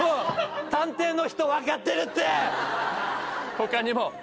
他にも。